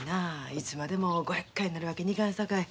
いつまでもごやっかいになるわけにいかんさかい